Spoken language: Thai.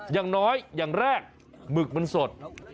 อย่างน้อยอย่างแรกหมึกมันสด